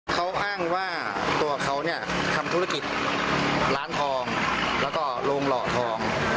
เขาอ้างว่าตัวเขาเนี่ยทำธุรกิจร้านทองแล้วก็โรงหล่อทอง